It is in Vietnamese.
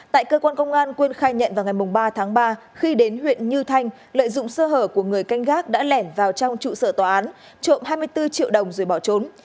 tại cơ quan công an quân khai nhận vào ngày ba tháng ba khi đến huyện như thanh lợi dụng sơ hở của người canh gác đã lẻn vào trong trụ sở tòa án trộm hai mươi bốn triệu đồng rồi bỏ trốn